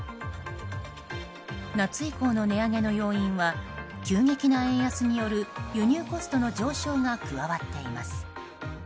夏以降の値上げの要因は急激な円安による輸入コストの上昇が加わっています。